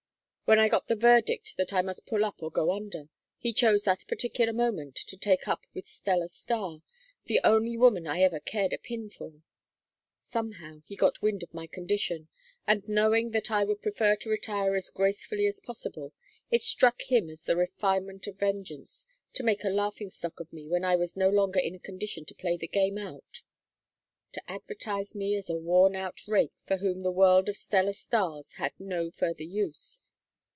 When I got the verdict that I must pull up or go under, he chose that particular moment to take up with Stella Starr, the only woman I ever cared a pin for. Somehow, he got wind of my condition, and knowing that I would prefer to retire as gracefully as possible, it struck him as the refinement of vengeance to make a laughing stock of me when I was no longer in a condition to play the game out; to advertise me as a worn out rake for whom the world of Stella Starrs had no further use.